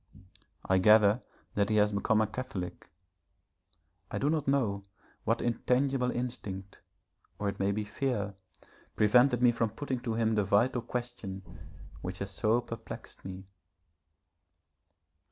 I gather that he has become a Catholic. I do not know what intangible instinct, or it may be fear, prevented me from putting to him the vital question which has so perplexed me.